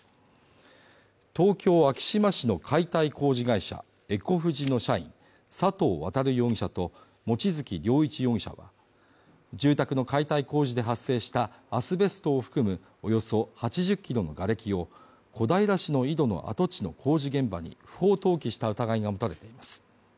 東京昭島市の解体工事会社エコフジの社員佐藤航容疑者と望月良一容疑者は、住宅の解体工事で発生したアスベストを含むおよそ８０キロのがれきを小平市の井戸の跡地の工事現場に不法投棄した疑いが持たれています。